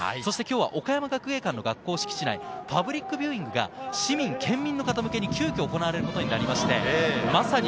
岡山学芸館の学校敷地内ではパブリックビューイングが市民と県民の方向けに急きょ、行われることになりました。